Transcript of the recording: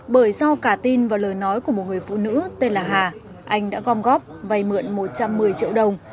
bởi sau cả tin và lời nói của một người phụ nữ tên là hà anh đã gom góp vài mượn một trăm một mươi triệu đồng